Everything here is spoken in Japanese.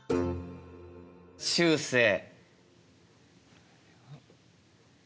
しゅうせい。